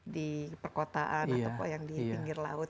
di perkotaan atau yang di pinggir laut